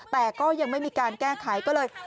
แต่ก็ยังไม่มีการแก้ไขก็เลย